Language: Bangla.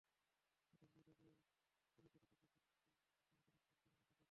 রাতে ঘুমাতে গিয়ে অলোকা দেখে ব্যাংক কর্মকর্তা স্বামীটি গম্ভীর, সিলিংয়ের দিকে মুখ।